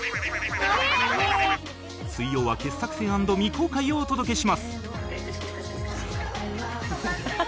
水曜は傑作選＆未公開をお届けします